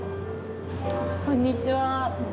こんにちは。